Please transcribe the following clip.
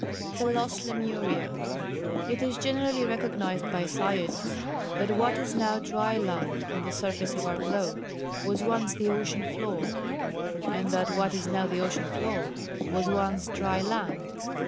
The Lost Lemuria. It is generally recognised by science that what is now dry land, on the surface of our globe, was once the ocean floor, and that what is now the ocean floor was once dry land.